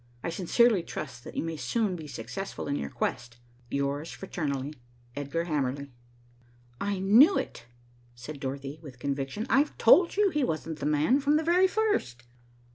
I sincerely trust that you may soon be successful in your quest. "Yours fraternally, "EDGAR HAMERLY." "I knew it," said Dorothy, with conviction. "I've told you he wasn't 'the man,' from the very first."